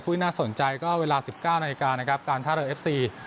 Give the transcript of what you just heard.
ที่น่าสนใจก็เวลา๑๙นาฬิกานะครับการท่าเรือเอฟซี